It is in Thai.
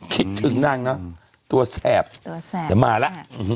คิดถึงนั่งเนอะตัวแสบจะมาละ